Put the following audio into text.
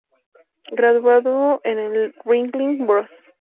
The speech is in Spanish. Graduado en el Ringling Bros.